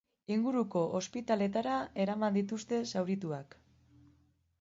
Inguruko ospitaleetara eraman dituzte zaurituak.